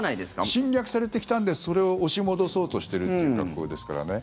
侵略されてきたんでそれを押し戻そうとしているという格好ですからね。